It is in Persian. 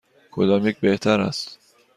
کدام یک بهتر است؟